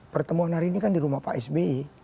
pertemuan hari ini kan di rumah pak sby